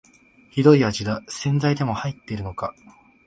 ひどい味だ、洗剤でも入ってるのか